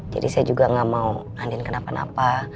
jadi saya juga gak mau andien kenapa napa